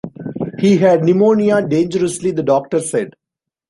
He had pneumonia dangerously, the doctor said.